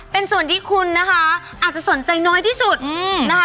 เป็นส่วนที่คุณนะคะอาจจะสนใจน้อยที่สุดนะคะ